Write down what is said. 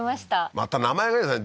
また名前がいいですね